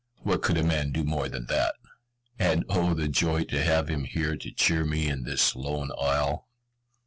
What could a man do more than that? And oh, the joy to have him here to cheer me in this lone isle!